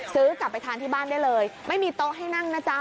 ซื้อกลับไปทานที่บ้านได้เลยไม่มีโต๊ะให้นั่งนะจ๊ะ